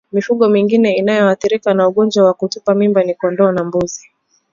Mifugo mingine inayoathirika na ugonjwa wa kutupa mimba ni kondoo na mbuzi